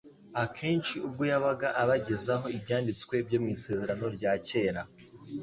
Akenshi ubwo yabaga abagezaho ibyanditswe byo mu isezerano rya Kera